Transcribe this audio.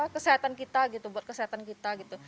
kesehatan kita gitu buat kesehatan kita gitu